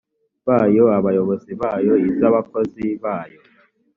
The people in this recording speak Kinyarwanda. bayo abayobozi bayo iz abakozi bayo